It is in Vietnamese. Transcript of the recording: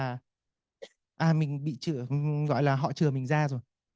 à mình bị trừa gọi là họ trừa mình ra rồi